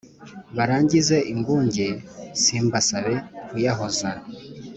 barangize ingunge simbasabe kuyahoza